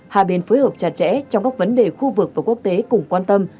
hai bên phối hợp chặt chẽ trong các vấn đề khu vực và quốc tế cùng quan tâm